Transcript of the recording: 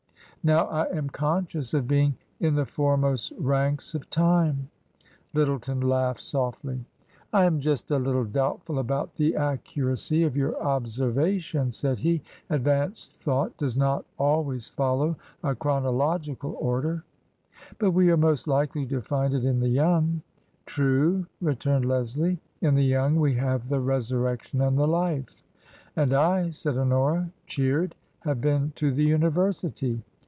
Now I am conscious of being * in the foremost ranks of time !'" Lyttleton laughed softly. " I am just a little doubtful about the accuracy of your observation," said he; "advanced thought does not al ways follow a chronological order." " But we are most likely to find it in the young." " True," returned Leslie ;" in the young we have the Resurrection and the Life." "And I," said Honora, cheered, "have been to the University.